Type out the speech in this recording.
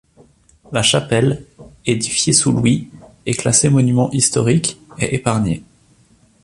La chapelle, édifiée sous Louis et classée monument historique est épargnée.